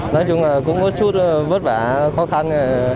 nói chung là cũng có chút vất vả khó khăn